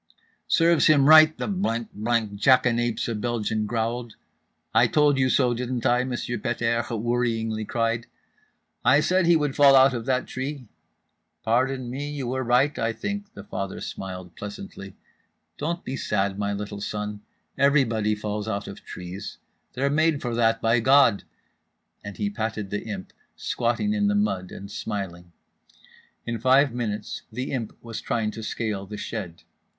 "Serves him right, the —— jackanapes," a Belgian growled.—"I told you so, didn't I?" Monsieur Pet airs worringly cried: "I said he would fall out of that tree!"—"Pardon, you were right, I think," the father smiled pleasantly. "Don't be sad, my little son, everybody falls out of trees, they're made for that by God," and he patted The Imp, squatting in the mud and smiling. In five minutes The Imp was trying to scale the shed.